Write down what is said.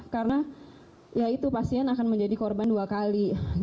karena ya itu pasien akan menjadi korban dua kali